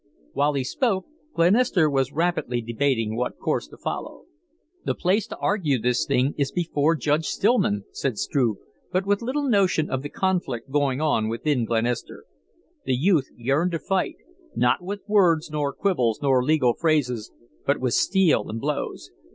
While he spoke, Glenister was rapidly debating what course to follow. "The place to argue this thing is before Judge Stillman," said Struve but with little notion of the conflict going on within Glenister. The youth yearned to fight not with words nor quibbles nor legal phrases, but with steel and blows.